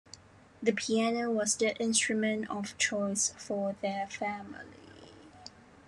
The piano was the instrument of choice for their family.